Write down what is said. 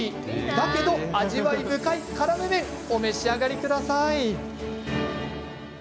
だけど味わい深い、からめ麺お召し上がりください。